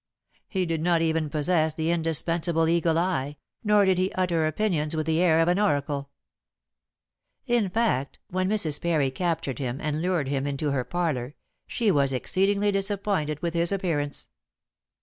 He did not even possess the indispensable eagle eye, nor did he utter opinions with the air of an oracle. In fact, when Mrs. Parry captured him and lured him into her parlor, she was exceedingly disappointed with his appearance.